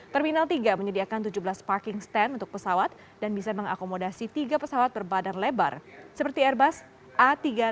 terminal tiga menyediakan tujuh belas parking stand untuk pesawat dan bisa mengakomodasi tiga pesawat berbadan lebar seperti airbus a tiga ratus sepuluh